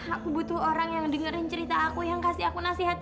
aku tuh lagi gak tau aku harus gimana sat